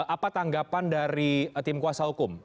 apa tanggapan dari tim kuasa hukum